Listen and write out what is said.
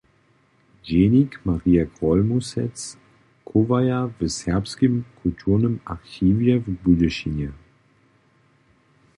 Dźenik Marje Grólmusec chowaja w Serbskim kulturnym archiwje w Budyšinje.